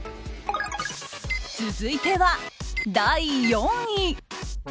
続いては、第４位。